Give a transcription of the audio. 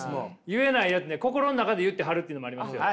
言えないやつね心の中で言って貼るっていうのもありますよね。